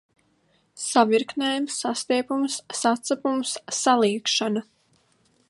Savirknējums, sastiepums, sacepums, saliekšana.